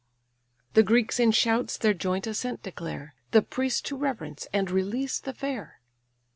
The Greeks in shouts their joint assent declare, The priest to reverence, and release the fair.